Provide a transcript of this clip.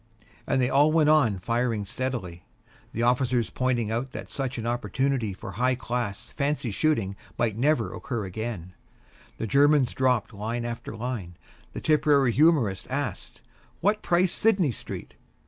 And they all went on firing steadily. The officer pointed out that such an opportunity for high class fancy shooting might never occur again; the Tipperary humorist asked, "What price Sidney Street?"